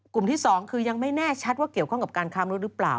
ที่๒คือยังไม่แน่ชัดว่าเกี่ยวข้องกับการค้ามนุษย์หรือเปล่า